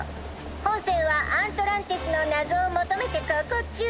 ほんせんはアントランティスのなぞをもとめてこうこうちゅう。